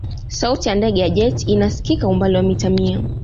sauti ya ndege ya jet ina sikika umbali wa mita mia